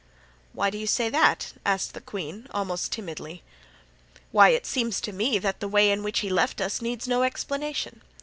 "Why do you say that?" asked the queen, almost timidly. "Why, it seems to me that the way in which he left us needs no explanation.